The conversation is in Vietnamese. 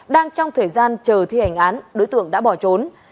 đang trong thời gian chờ thi hành án đối tượng đã bỏ trốn